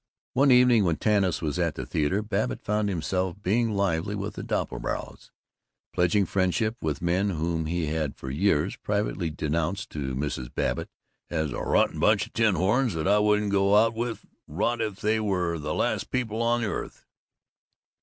One evening when Tanis was at the theater, Babbitt found himself being lively with the Doppelbraus, pledging friendship with men whom he had for years privily denounced to Mrs. Babbitt as a "rotten bunch of tin horns that I wouldn't go out with, not if they were the last people on earth."